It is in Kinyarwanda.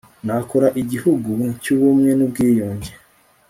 Nakora igihugu cyubumwe nubwiyunge